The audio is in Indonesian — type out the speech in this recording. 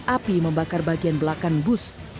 api membakar bagian belakang bus